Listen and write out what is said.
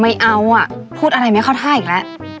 ไม่เอาอ่ะพูดอะไรไม่เข้าท่าอีกแล้ว